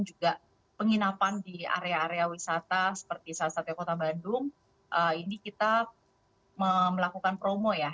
jadi kita melakukan promosi ya